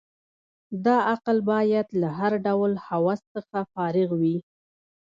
دا عقل باید له هر ډول هوس څخه فارغ وي.